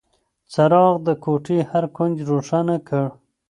څراغ د کوټې هر کونج روښانه کړ.